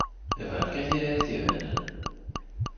Bɣiɣ kan tiririt ibanen.